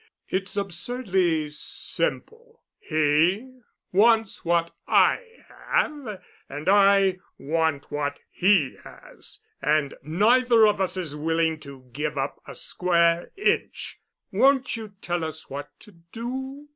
It's absurdly simple. He wants what I have, and I want what he has, and neither of us is willing to give up a square inch. Won't you tell us what to do?"